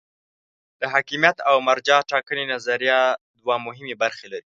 د حاکمیت او مرجع ټاکنې نظریه دوه مهمې برخې لري.